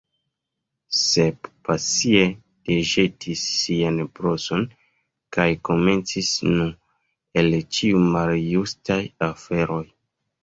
Sep pasie deĵetis sian broson, kaj komencis. "Nu, el ĉiuj maljustaj aferoj…"